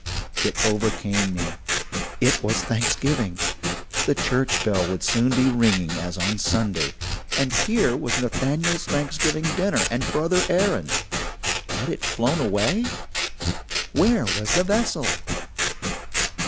"It overcame me. It was Thanksgiving. The church bell would soon be ringing as on Sunday. And here was Nathaniel's Thanksgiving dinner and Brother Aaron's had it flown away? Where was the vessel?